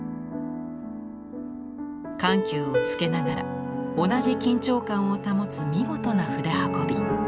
緩急をつけながら同じ緊張感を保つ見事な筆運び。